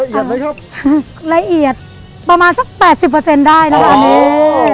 ละเอียดไหมครับละเอียดประมาณสัก๘๐ได้นะครับอันนี้